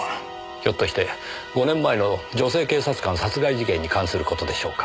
ひょっとして５年前の女性警察官殺害事件に関する事でしょうか？